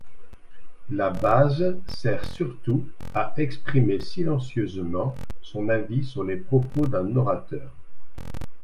La base sert surtout à exprimer silencieusement son avis sur les propos d'un orateur.